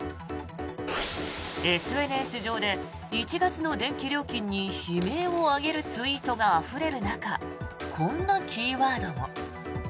ＳＮＳ上で１月の電気料金に悲鳴を上げるツイートがあふれる中こんなキーワードも。